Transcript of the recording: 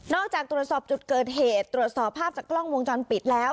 จากตรวจสอบจุดเกิดเหตุตรวจสอบภาพจากกล้องวงจรปิดแล้ว